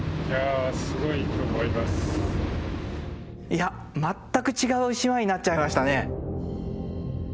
いや全く違う島になっちゃいましたね。